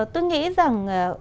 tôi nghĩ rằng